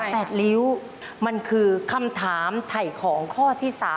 แปดลิ้วมันคือคำถามถ่ายของข้อที่๓